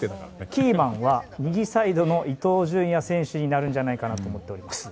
キーマンは右サイドの伊東純也選手になるんじゃないかと思っています。